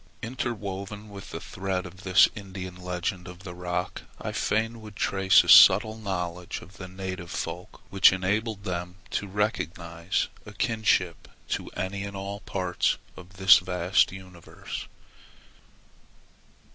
Interwoven with the thread of this Indian legend of the rock, I fain would trace a subtle knowledge of the native folk which enabled them to recognize a kinship to any and all parts of this vast universe.